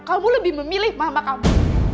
kamu lebih memilih maha kamu